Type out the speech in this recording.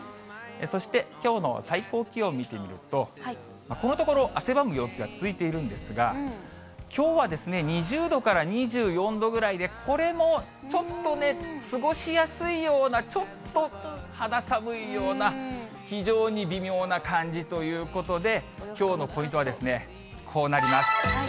そして、きょうの最高気温見てみると、このところ、汗ばむ陽気が続いているんですが、きょうは２０度から２４度ぐらいで、これもちょっとね、過ごしやすいような、ちょっと肌寒いような、非常に微妙な感じということで、きょうのポイントは、こうなります。